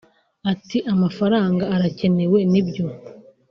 Ati” Amafaranga arakenewe ni byo